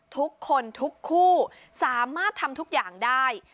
ทุกคนทุกคู่สามารถทำทุกอย่างได้